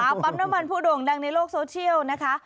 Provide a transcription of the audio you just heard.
ปั๊มน้ำมันผู้โด่งดังในโลกโซเชียลนะคะ